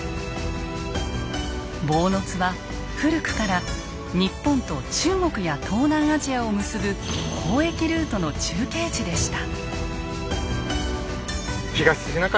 坊津は古くから日本と中国や東南アジアを結ぶ交易ルートの中継地でした。